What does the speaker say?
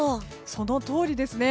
そのとおりですね。